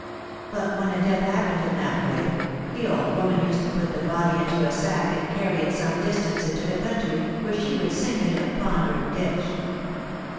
But when a death happened in that way, the old woman used to put the body into a sack and carry it some distance into the country, where she would sink it in a pond or ditch.